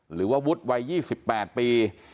หรือว่าวุฒิวัย๒๘ปี